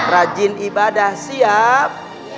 rajin ibadah siap